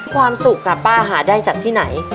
ความสุขป้าหาได้จากที่ไหน